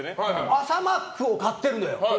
朝マックを買ってるのよ！